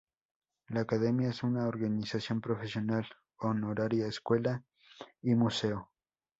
La Academia es una organización profesional honoraria, escuela y museo.